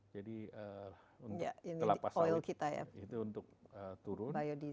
jadi telapas oil itu untuk turun